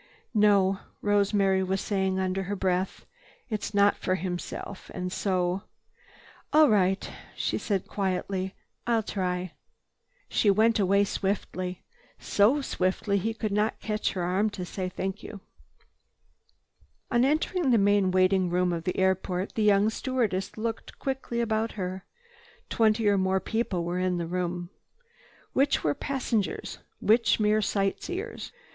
"No," Rosemary was saying under her breath, "it's not for himself. And so—" "All right," she said quietly, "I'll try." She went away swiftly, so swiftly he could not catch at her arm to thank her. On entering the main waiting room of the airport, the young stewardess looked quickly about her. Twenty or more people were in the room. Which were passengers, which mere sightseers?